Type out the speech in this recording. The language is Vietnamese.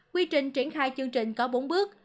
quy trình triển khai chương trình có bốn bước